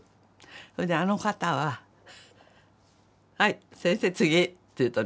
それであの方は「はい先生次」って言うとね